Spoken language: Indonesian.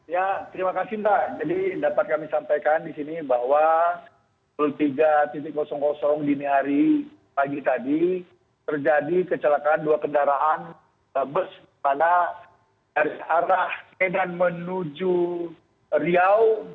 ya terima kasih pak jadi dapat kami sampaikan di sini bahwa dua puluh tiga dini hari pagi tadi terjadi kecelakaan dua kendaraan bus pada arah medan menuju riau